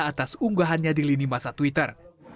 atas unggahannya di lini masa twitter